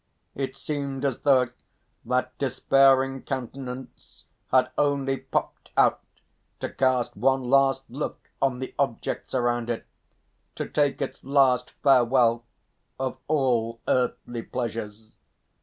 It seemed as though that despairing countenance had only popped out to cast one last look on the objects around it, to take its last farewell of all earthly pleasures.